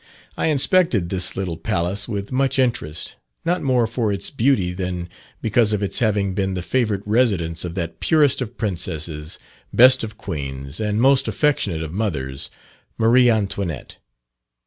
I inspected this little palace with much interest, not more for its beauty than because of its having been the favourite residence of that purest of Princesses, best of Queens, and most affectionate of mothers, Marie Antoinette.